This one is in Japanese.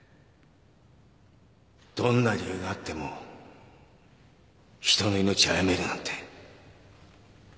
どんな理由があっても人の命あやめるなんて。